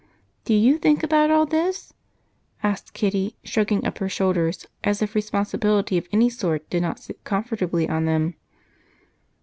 "Do you think about all this?" asked Kitty, shrugging up her shoulders as if responsibility of any sort did not sit comfortably on them.